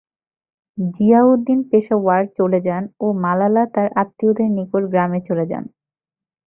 জিয়াউদ্দিন পেশাওয়ার চলে যান ও মালালা তার আত্মীয়দের নিকট গ্রামে চলে যান।